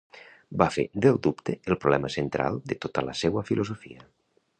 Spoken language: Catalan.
Va fer del dubte el problema central de tota la seua filosofia.